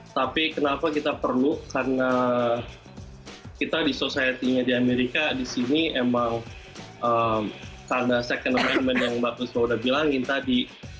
tapi kenapa kita perlu karena kita di sosialitasnya di amerika di sini memang tanda second amendment yang mbak pusul sudah bilangin tadi